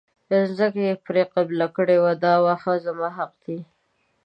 ځمکه یې پرې قلبه کړې وه دا واښه زما حق دی.